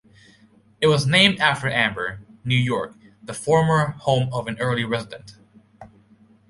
It was named after Amber, New York, the former home of an early resident.